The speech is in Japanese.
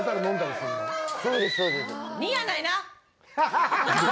２やないな？